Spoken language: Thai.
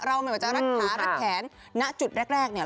เราหมายความว่าจะรัดขารัดแขนนะจุดแรกเนี่ย